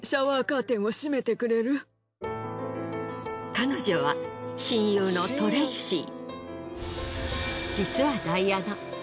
彼女は親友のトレイシー。